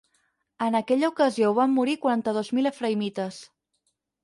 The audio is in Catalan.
En aquella ocasió van morir quaranta-dos mil efraïmites.